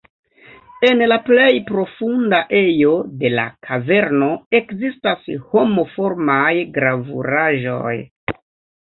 En la plej profunda ejo de la kaverno ekzistas homo-formaj gravuraĵoj.